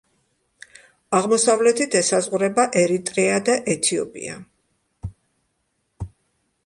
აღმოსავლეთით ესაზღვრება ერიტრეა და ეთიოპია.